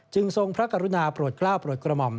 ทรงพระกรุณาโปรดกล้าวโปรดกระหม่อม